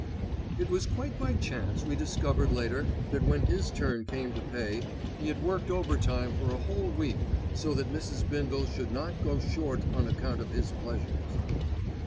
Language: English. It was quite by chance we discovered later that when his turn came to pay, he had worked overtime for a whole week so that Mrs. Bindle should not go short on account of his pleasures.